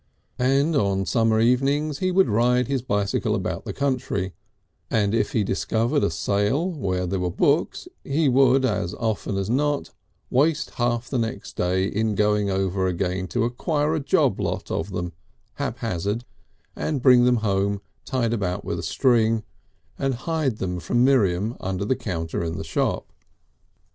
And on summer evenings he would ride his bicycle about the country, and if he discovered a sale where there were books he would as often as not waste half the next day in going again to acquire a job lot of them haphazard, and bring them home tied about with a string, and hide them from Miriam under the counter in the shop.